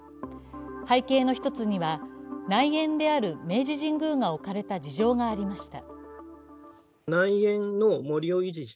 背景の一つには、内苑である明治神宮が置かれた事情がありました。